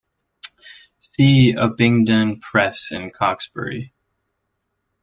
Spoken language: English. See Abingdon Press and Cokesbury.